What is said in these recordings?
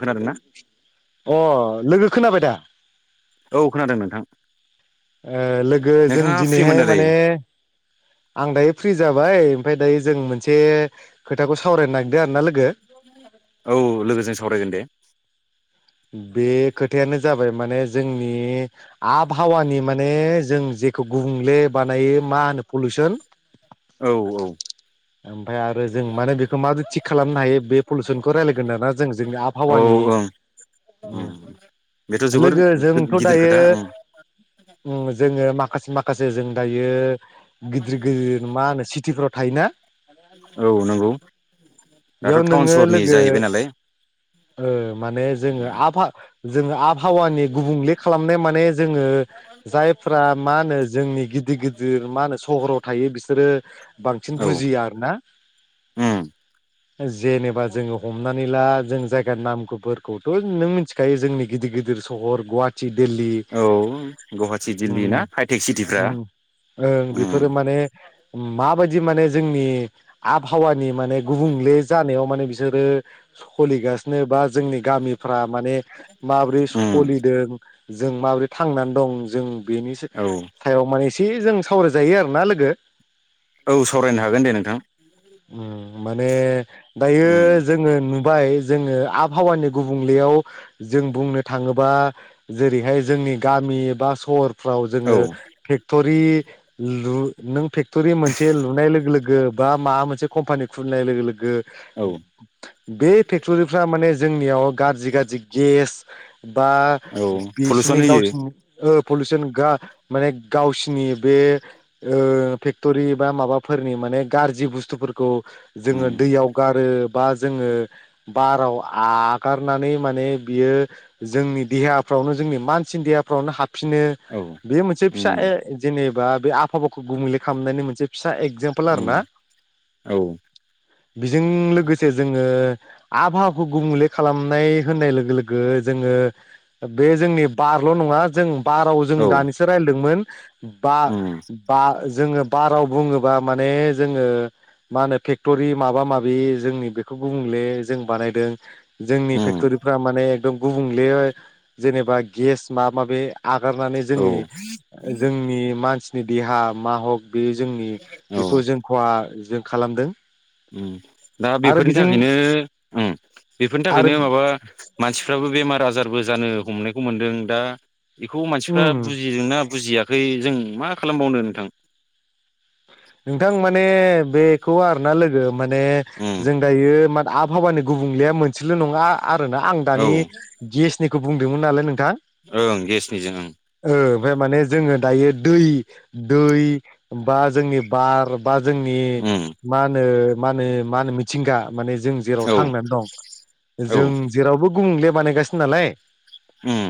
खोनादों ना अ लोगो खोनाबाय दा औ खोनादों नोंथां लोगो जों नोंथाङा फ्रिमोन दिनैहाय दा माने दायो आं दायो फ्रि जाबाय बाय ओमफ्राय दायो जों मोनसे खोथाखौ सावरायनो नागिरदों आरो ना लोगो औ लोगोजों सावरायगोन दे बे खोथायानो जाबाय माने जोंनि आबहावानि माने जों जेखौ गुबुंले बानायो मा होनो पलुसन औ औ ओमफ्राय आरो जों माने बेखौ माबदि थिग खालामनो हायो बे पलुसनखौ रायलायगोन आरो ना जों जोंनि औ आबहावानि ओं उम बेथ' जोबोर लोगो जोंथ' गिदिर दायो खोथा उम जोङो माखासे म माखासे जों दायो गिदिर गिदिर मा होनो सिटिफ्राव थायोना? औ नंगौ [unintelligible] दाथ' बेयाव टाउन नोङो सहरनि लोगो जाहैबाय नालाय माने जोङो उम आफा जोङो आब आहावानि गुबुंले खालामनाय माने जोङो जायफ्रा मा होनो जोंनि गिदिर गिदिर मा होनो सहराव थायो बिसोरो बांसिन औ बुजिया आरो ना उम जेनेबा जोङो हमनानै ला जों जायगानि नामफोरखौथ' नों मिथिखायो जोंनि गिदिर गिदिर सहर गुवाहाटि दिल्ली औ गुवाहाटि दिल्ली ना हाइटेक सिटिफ्रा ओं बेफोरो उम माने माबायदि माने जोंनि आबहावानि माने गुबुंले जानायाव माने बिसोरो सलिगासिनो बा जोंनि गामिफ्रा माने माबोरै उम सलिदों जों माबोरै थांनानै दं जों बेनि औ सायाव माने एसे जों सावरायजायो आरो ना लोगो। औ सावरायनो हागोन दे नोंथां। ओम। माने दायो उम जोङो नु नुबाइ जोङो आबहावानि गुबुंलेयाव जों बुंनो थाङोबा जेरैहाय जोंनि गामि बा सहर फ्राव औ जोङो फेक्ट'रि लु नों फेक्ट'रि मोनसे लुनाय लोगो लोगो बा माबा मोनसे कम्पानि खुलिनाय लोगो लोगो। औ बे फेक्टरिफ्रा माने जोंनियाव गाज्रि गाज्रि गेस बा औ पलुसन बिसिनि होयो गावसिनि ओ पलुसन गा माने गावसिनि बे ओ फेक्टरि बा माबाफोरनि माने गाज्रि बुस्थुफोरखौ जोङो उम दैयाव गारो बा जोङो बाराव आगारनानै माने बियो जोंनि देहाफ्रावनो जोंनि मानसिनि देहाफ्रावनो हाब फिनो औ बे मोनसे फिसा उम ए जेनोबा बे आबहावा गुबले खालामनायनि मोनसे फिसा एगजामपोल आरो ना। उम औ बेजों लोगोसे जों ओ आबहावाखौ गुबुंले खालामनाय होननाय लोगो लोगो जोङो बे जोंनि बारल' नङा जों बाराव औ जों दानिसो रायजलायदोंमोन उम बा-बा जोङो बाराव बुङोबा माने जोङो मा होनो फेक्ट'रि माबा माबि जोंनि बेखौ गुबुंले जों बानायदों जोंनि उम फेक्ट'रिफ्रा माने गुबुंले जेनेबा गेस माबा माबि आगारनानै औ जोंनि जोंनि मानसि निदि हा मा हक बे जोंनि औ बेखौ जोंखहा जों खालामदों। उम दा आरो बेफोरनि बेजों थाखायनो उम बेफोरनि आरो थाखायनो माबा मानसिफ्राबो बेमार आजारबो जानो हमनायखौ मोनदों दा। बिखौ उम मानसिफ्रा बुजिदोंना? बुजियाखै जों मा खालामबावनो नोंथां? नोंथां माने बेखौ आरना लोगो माने उम जों दायो मान आबहावानि गुबुंलेया मोनसेल' नङा। आरोना आं दानि गेसनि गोबुंदोंमोन नालाय नों दा औ ओं गेसनिजों ओं ओ ओमफ्राय माने जोङो दायो दै दै बा जोंनि बार बा जोंनि उम मा होनो मा होनो मा होनो मिथिंगा माने जों जेराव औ थांनान दं औ जों जेरावबो गुबुंले बानायगासिनो नालाय। उम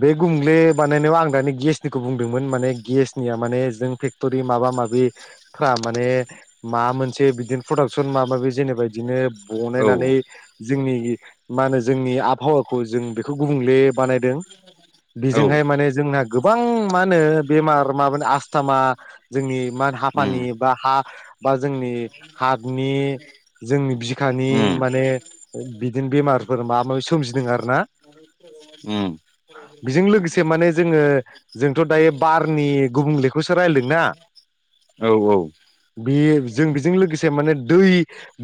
बे गुबुंले बानायनायाव आं दानि गेसनिखौ बुंदोंमोन माने गेसनिया माने जों फेक्ट'रि माबा माबि फ्रा माने मा मोनसे बिदिन प्रडाक्सन माबा माबि जेनेबादिनो औ बनायनानै जोंनि मा होनो जोंनि आबहावाखौ जों बेखौ गुबुंले बानायदों औ बिजोंहाय माने जोंना गोबां मा होनो बेमार माबानि आस्थामा जोंनि मानहा उम पानि बा हा बा जोंनि हार्थनि जोंनि बिखानि उम माने ओ बिद बिदिनो बेमारफोर माबा माबि सोमजिदों आरो ना? उम बिजों लोगोसे माने जोङो जोंथ' दायो बारनि गुबुंलेखौसो रायलायदोंना? औ औ। बे जों बेजों लोगोसे माने दै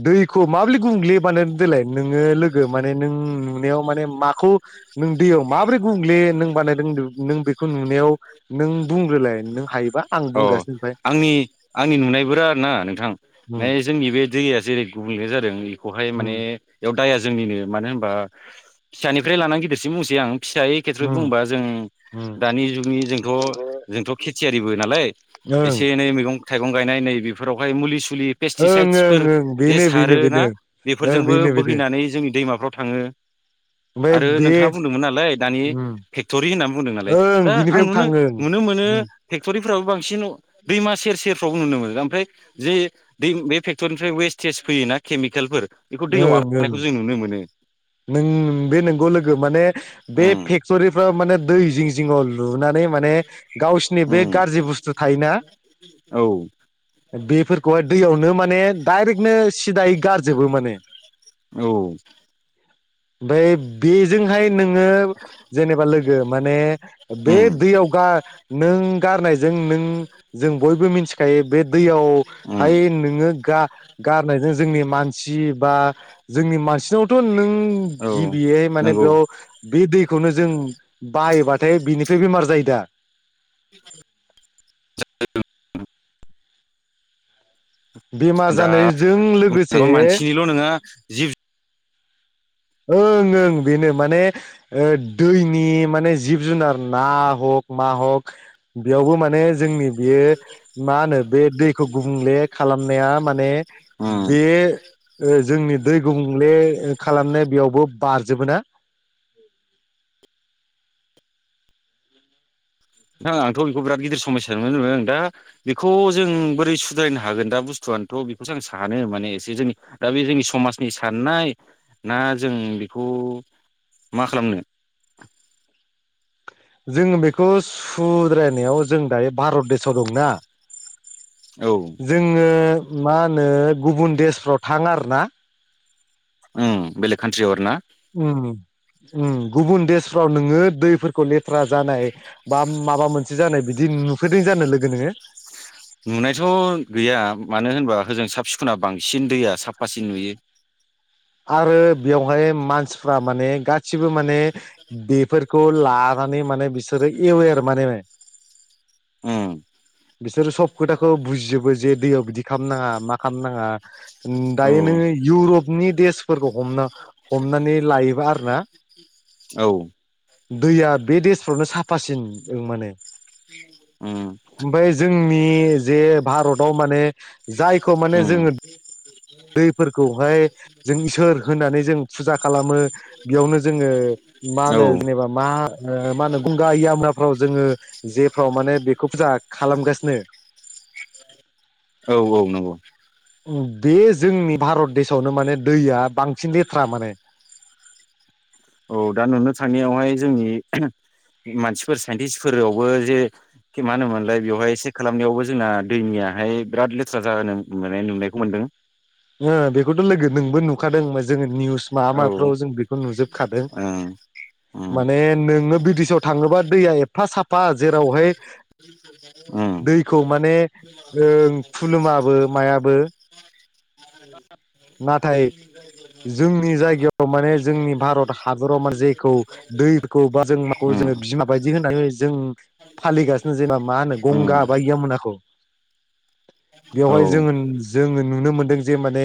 दैखौ माब्रै गुबुंले बानायदों देलाय नोङो लोगो माने नों नुनायाव माने माखौ नों दैयाव माबोरै गुबुंग्ले नों बानायदों नों बेखौ नुनायाव नों बुंग्रोलाय नों हायोबा आं अ बुंगासिनो ओमफ्राय। आंनि आंनि नुनायफोरा आरो ना नोंथां उम माने जोंनि बे दैया जेरै गुबुंले जादों बेखौहाय उम माने दाया जोंनिनो मानो होनबा फिसानिफ्राय लानानै गिदिरसिम बुंसै आं। फिसायै खेथ्रयै उम बुंबा जों उम दानि जुगनि जोंथ' जोंथ' खेथियारिबो नालाय? ओं एसे एनै मैगं थाइगं गायनाय नै बेफोरावहाय मुलि फुलि ओं ओं पेस्टिसाइदसफोर ओं जे बेनो बेनो सारो ना बेनो ओ बेफोरजोंबो बेनो बेनो बोहैनानै जोंनि दैमाफ्राव थाङो। ओमफ्राय आरो बे नोंथाङा बुंदोंमोन नालाय दानि फेक्टरि होननानै बुंदों नालाय ओं दा आं बिनिफ्रायबो नुनो थाङो नुनो मोनो ओं फेक्टरिफ्राबो बांसिन दैमा सेर सेरफ्रावबो नुनो मोनो ओमफ्राय जे दै बे फेक्ट'रिनिफ्राय वेस्टेज फैयोना केमिकेलफोर? बेखौ दैयाव ओं आरनायखौ ओं जों नुनो मोनो। नों बे नंगौ लोगो माने बे उम फेक्टरिफ्राव माने दै जिं जिङाव लुनानै माने गावसोरनि बे उम गाज्रि बुस्थु थायोना औ बेफोरखौहाय दैयावनो माने डाइरेक्ट बिदिनो सिदायै गारजोबो माने औ ओमफ्राय बेजोंहाय नोंङो जेनेबा लोगो माने बे उम दैयाव गा नों गारनायजों नों जों बयबो मिथिखायो बे उम दैयावहाय नोंङो गा गारनायजों जोंनि मान नों औ गिबियै माने नंगौ बेयाव बे दैखौनो जों बायोबाथाय बेनिफ्राय बेमार जायो दा बेमार दा जानायजों लोगोसे मानसिनिल' नङा जिब ओं ओं बेनो माने ओ दैनि माने जिब जुनार ना हक मा हक बेयावबो माने जोंनि बेयो मा होनो बे दैखौ गुबुंले खालामनाया माने उम बे जोंनि दै गुबुंले खालामनाय बेयावबो बारजोबो ना नोंथां आंथ बेखौ बिराद गिदिर समस्या नुनो मोनों दा बेखौ जों बोरै सुद्रायनो हागोन दा बुस्थुआनोथ बेखौसो आं सानो माने एसे जोंनि दा बे जोंनि समाजनि साननाय ना जों बेखौ मा खालामनो जोंङो बेखौ सुद्रायनायाव जों दायो भारत देशआव दंना औ जोंङो मा होनो गुबुन देसफ्राव थां आरोना उम बेलेग कान्ट्रिआव आरोना उम उम गुबुन देशफ्राव नोंङो दैफोर मोनसे जानाय बिदि नुफेरदों जानो लोगो नोङो नुनायथ गैया मानो होनबा ओजों साब सिखुना बांसिन दैया साफासिन नुयो आरो बेवहाय मानसि फ्रा माने गासिबो बेफोर खालामनानै माने बिसो ओरै एवेर माने उम बिसोर सब खोथाखौ बुजिजोबो जे दैयाव बिदि खामनाङा मा खामनाङा औ दायो नोंङो इउरपनि देश फोरखौ हमना हमनानै लायोबा आरो ना औ दैया बे देसफ्रावनो साफासिन माने उम ओमफाय जोंनि जे भारताव माने जायखौ माने उम जोंङो दैफोरखौहाय जों इसोर होनानै जों फुजा खालामो बेयावनो जोंङो औ मानो जेनेबा मा ओ मा होनो गुंगा इयामुनाफ्राव जोंङो जेफ्राव माने बेखौ फुजा खालामगासिनो औ औ नंगौ उम बेयो जोंनि भारत देशआवनो माने दैया बांसिन लेथ्रा माने औ दा नुनो थांनायावहाय जोंनि आह मानसिफोर साइन्टिस्फोरावबो जे मा होनोमोनलाय बेवहाय सेख खालामनायावबो जोंना दैमायाहाय बिराद लेथ्रा जानो उम माने नुनायखौ मोनदों ओ बेखौथ' लोगो नोंबो नुखादों जोङो निउस माबा औ माबिफ्राव जों बेखौ नुजोबखादों ओं उम माने नोङो बिडिशाव थाङोबा दैया एफा साफा जेरावहाय उम दैखौ माने ओ खुलुमाबो मायाबो नाथाय जोंनि जायगायाव माने जोंनि भारत हादराव माने जेखौ दैखौ बा जों माखौ उम जोङो बिमा बायदि होननानै जों फालिगासिनो जेनेबा मा होनो गंगा उम बा यामुनाखौ औ बेवहाय जोङो उम जोङो नुनो मोनदों जे माने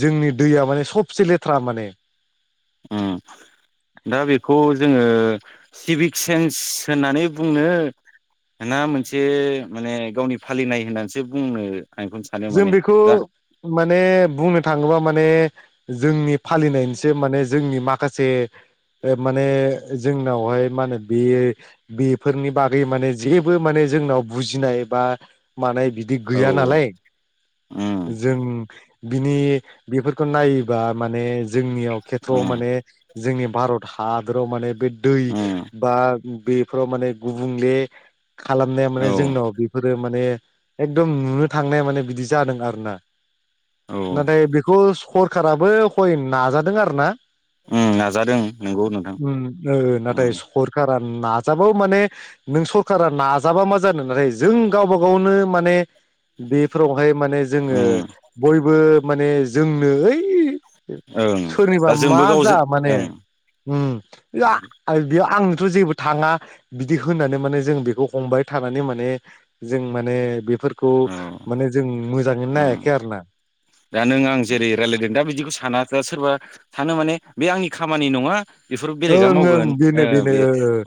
जोंनि दैया माने सबसे लेथ्रा माने उम दा बेखौ जोङो हिभिक सेन्स होननानै बुंनो ना मोन से माने गावनि फालिनाय होन्नानसो बुङो जों बेखौ माने बुंनो थाङोबा माने जोंनि फालिनायनिसो माने जोंनि माखासे ओ माने जोंनावहाय मा होनो बेयो बेफोरनि बागै माने जेबो माने जोंनाव बुजिनाय बा मानाय बिदि औ गैया नालाय उम जों बिनि बेफोरखौ नायोबा माने जोंनियाव खेथ्रआव उम माने जोंनि भारत हादराव' माने बे दै उम बा उम बेफोराव माने गुबुंले खालामनाया औ माने जोंनाव बेफोरो माने एकदम नुनो थांनाय माने बिदि जादों आरोना औ नाथाय बेखौ सरखाराबो हय नाजा जादों आरो ना उम नाजादों नंगौ नोंथां उम बान नाजाबाबो माने नों सरखारा नाजाबा मा जानो नाथाय जों गावबा गावनो माने बे फोरावहाय माने जोङो उम बयबो माने जोंनो ओइ ओं सोरनिबा दा मा जोंबो जा गावजों माने ओं उम बेयाव आं ' जेबो थाङा बिदि होननानै माने जों बेखौ हमबाय थानानै माने जों माने फोरफोरखौ औ नो जों मोजाङैनो ओं नायाखै आरो ना दा नों आं जेरै रायज्लायदों दा बिदिखौ सानासा सोरबा सानो माने बे आंनि खामानि नङा बेफोर बेलेगा ओं ओं मावगोन ओ बेनो बेनो बे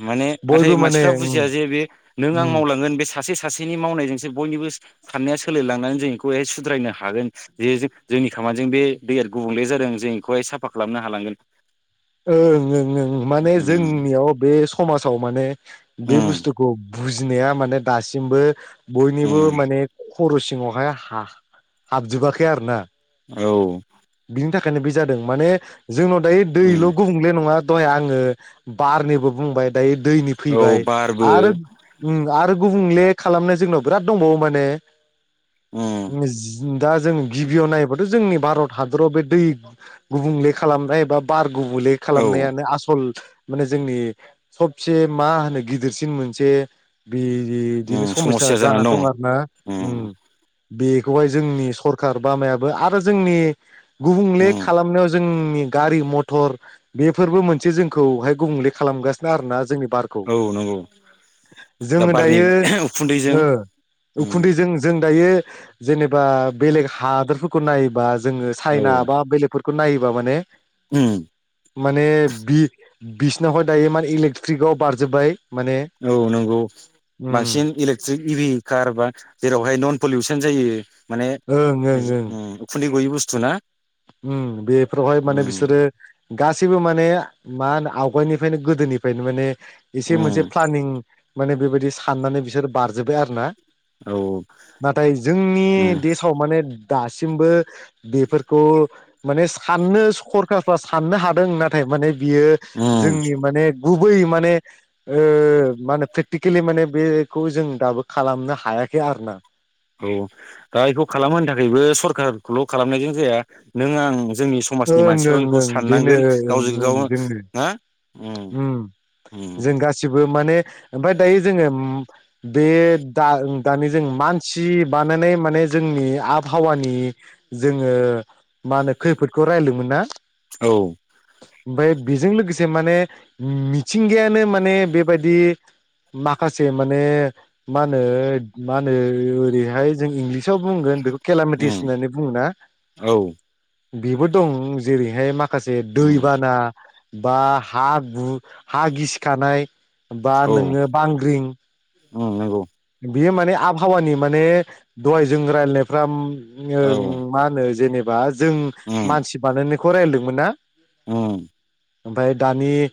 माने नाथाय बयबो माने मानसिफ्रा उम बुजिया जे बे नों आं उम मावलांगोन बे सासे। सासेनि मावनायजोंसो बयनिबो साननाया सोलिलांनानै जों बेखौहाय सुद्रायनो हागोन। जे जों जोंनि खामानिजों बे दैया गुबुंले जादों जों बेखौहाय साफा खालामनो हालांगोन। ओं- ओं- ओं -माने उम जोंनियाव बे स। समाजाव माने। बे उम बुसथ'खौ। बुजिनाया माने दासिमबो। बयनिबो उम माने खरस। सिङावहाय हा हाबजोबाखै आरो ना। औ। बिनि थाखायनो बे जादों माने। जोंनाव दायो दैल' उम गुबुंले नङा। दह आङो बारनिबो बुंबाय दायो। दैनि औ फैबाय बारबो आरो उ आरो। गुबुंले खालामनो जोंनाव बिराद दंबावो माने। उम [unintelligible] दा जों गिबियाव नायोबाथ' जोंनि भारत। हादराव बे दै गुबुंले खालामनाय एबा बार। गुबुंले औ खालामनायानो आसल। माने जोंनि सबसे मा होनो गिदिरसिन मोनसे बे। बिदिनो समयसा जानानै दं आरो ना उम च बेखौहाय जोंनि स‌र। सोरखार बामायाबो आरो जोंनि। गुबुंले उम खालामनायाव जों। नि मथर बेफोरबो मोनसे जोंखौहाय गुबुंले खालामगासिनो आरो ना जोंनि बारखौ औ नंगौ दा जोङो बारनि दायो उखुन्दैजों ओ उम उखुन्दैजों जों दायो जेनेबा बेलेग हा दोरफोरखौ नायोबा जोङो सायना बा बेलेगफोर फोर नायोबा माने हम माने बि बिसनावहाय दायो माने इलेकट्रिकआव बारजोब्बाय माने औ नंगौ उम बांसिन इलेक्ट्रिक इभि कार बा जेरावहाय नन पलिउसन जायो। माने ओं ओं ओं उ उखुन्दै बयबो बस्थु ना उम बेफोरावहाय माने उम बिसोरो गासैबो माने मा होनो आवगायनिफायनो गोदोनिफ्रायनो माने एसे मोनसे उम प्लानिं माने बेबायदि साननानै बिसोर बारजोबबाय आरो ना औ नाथाय जोंनि उम देसाव माने दासिमबो बेफोरखौ माने साननो सुखरखा [unintelligible] साननो हादों नाथाय माने बियो उम जोंनि माने गुबै माने ओ मा होनो प्रेक्टिकेलि माने बेखौ जों दाबो खालामनो हायाखै आरो ना औ दा बेखौ खालामहोनो थाखायबो सरखारखौल' खालामनायजों जाया नों आं जोंनि समाजनि ओं मानसिफ्रा ओं बेखौ ओं बेनो साननांगोन ओं गावजों ओं गाव जोंनो हा उम जों गासिबो माने ओमफाय दायो जोङो म बे दा दानि जों मानसि बानायनाय माने जोंनि आबहावानि जोङो मा होनो खैफोदखौ रायलायदोंमोन ना औ ओमफाय बेजों लोगोसे माने उम थिंगायानो माने बेबादि माखासे माने मा होनो मा होनो ओरैहाय जों इंलिसाव बुंगोन बेख केलामिथिस उम होननानै बुङोना? औ बेबो दं जेरैहाय माखासे उम दैबाना बा हा बु हा गिसिखानाय बा औ नोङो बांग्रिं उम नंगौ बेयो माने आबहावानि माने दहाय जों रायलायनायफ्राम औ ओं मा होनो जेनेबा जों उम मानसि बानायनायखौ रायलायदोंमोन ना उम ओमफाय दानि